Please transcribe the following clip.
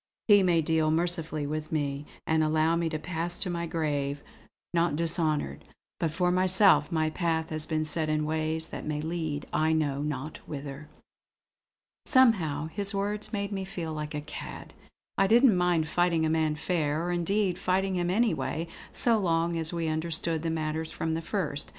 He may deal mercifully with me, and allow me to pass to my grave not dishonoured; but for myself my path has been set in ways that may lead I know not whither." Somehow his words made me feel like a cad. I didn't mind fighting a man fair; or indeed fighting him anyway, so long as we understood the matter from the first.